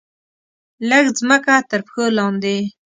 لږه مځکه ترپښو لاندې